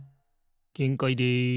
げんかいです。